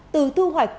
từ thu hoạch